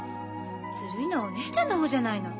ずるいのはお姉ちゃんの方じゃないの。